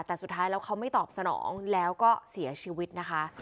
แต่สุดท้ายแล้วเขาไม่ตอบสนองแล้วก็เสียชีวิตนะคะ